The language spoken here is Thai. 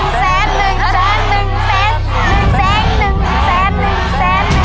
ผิด